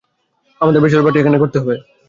আমাদের bachelor party করতে হবে।